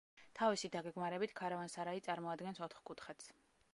თავისი დაგეგმარებით ქარავან-სარაი წარმოადგენს ოთხკუთხედს.